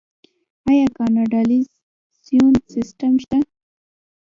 آیا کانالیزاسیون سیستم شته؟